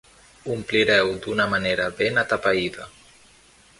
Omplireu d'una manera ben atapeïda.